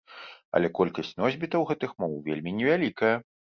Але колькасць носьбітаў гэтых моў вельмі невялікая.